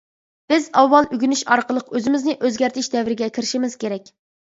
بىز ئاۋۋال ئۆگىنىش ئارقىلىق ئۆزىمىزنى ئۆزگەرتىش دەۋرىگە كىرىشىمىز كېرەك.